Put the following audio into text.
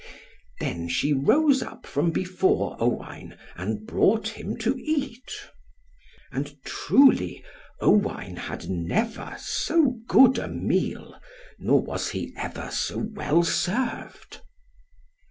Then she rose up from before Owain, and brought him to eat. And truly Owain had never so good a meal, nor was he ever so well served.